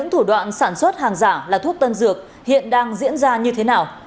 thủ đoạn sản xuất hàng giả là thuốc tân dược hiện đang diễn ra như thế nào